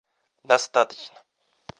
достаточно